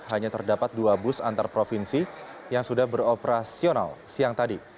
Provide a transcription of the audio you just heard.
hanya terdapat dua bus antar provinsi yang sudah beroperasional siang tadi